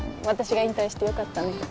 私が引退してよかったね